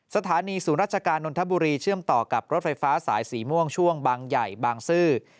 สถานีศูนย์ราชการนนทบุรีเชื่อมต่อกับรถไฟฟ้าสายสีม่วงช่วงบางใหญ่บางซื่อ